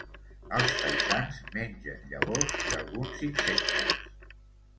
Els faisans mengen llavors i alguns insectes.